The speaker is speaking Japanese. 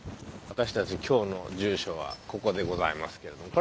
私たち今日の住所はここでございますけれど。